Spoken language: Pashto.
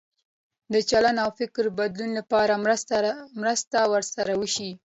د چلند او فکر بدلولو لپاره مرسته ورسره وشي.